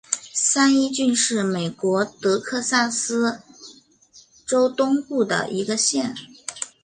三一郡是美国德克萨斯州东部的一个县。